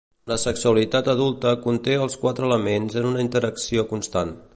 La sexualitat adulta conté els quatre elements en una interacció constant.